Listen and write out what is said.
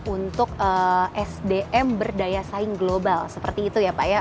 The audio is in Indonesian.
untuk sdm berdaya saing global seperti itu ya pak ya